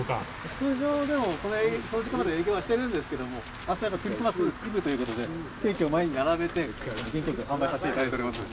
通常でもこの時間まで営業はしているんですけれども明日はクリスマスイブということでケーキを前に並べて元気よく販売させていただいております。